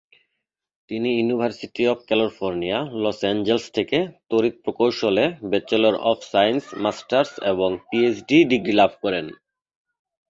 তিনি University of California, Los Angeles থেকে তড়িৎ প্রকৌশলে ব্যাচেলর অব সায়েন্স, মাস্টার্স এবং পিএইচডি ডিগ্রি লাভ করেন।